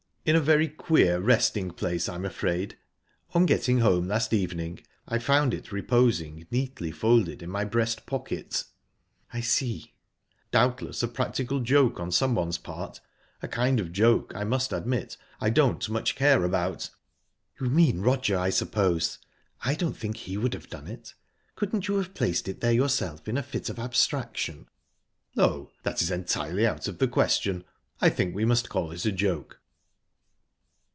"In a very queer resting place, I'm afraid. On getting home last evening I found it reposing neatly folded in my breast pocket." "I see." "Doubtless a practical joke on someone's part a kind of joke, I must admit, I don't much care about." "You mean Roger, I suppose? I don't think he would have done it. Couldn't you have placed it there yourself in a fit of abstraction?" "No, that is entirely out of the question. I think we must call it a joke."